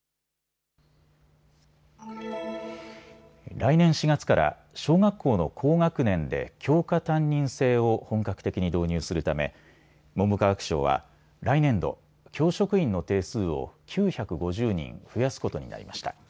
来年４月から小学校の高学年で教科担任制を本格的に導入するため文部科学省は来年度、教職員の定数を９５０人増やすことになりました。